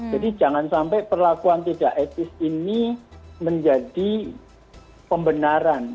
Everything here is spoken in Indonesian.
jadi jangan sampai perlakuan tidak etis ini menjadi pembenaran